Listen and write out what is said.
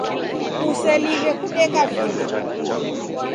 Kuseliw'e kudeka vindo.